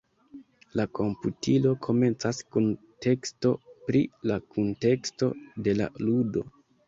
La komputilo komencas kun teksto pri la kunteksto de la ludo.